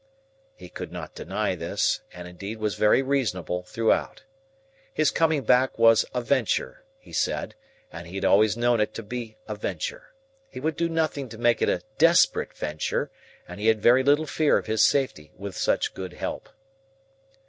He could not deny this, and indeed was very reasonable throughout. His coming back was a venture, he said, and he had always known it to be a venture. He would do nothing to make it a desperate venture, and he had very little fear of his safety with such good help.